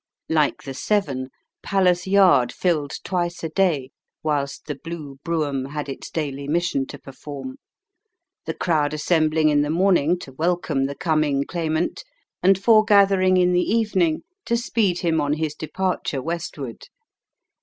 Like the Severn, Palace Yard filled twice a day whilst the blue brougham had its daily mission to perform, the crowd assembling in the morning to welcome the coming Claimant, and foregathering in the evening to speed him on his departure westward.